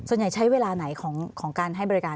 ส่วนใหญ่ใช้เวลาไหนของการให้บริการ